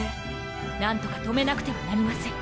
何とか止めなくてはなりません。